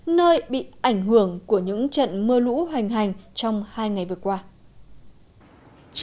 nơi bị ảnh hưởng của những trận mưa lũ hành hành trong hai ngày vừa qua